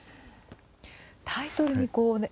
タイトルにこうね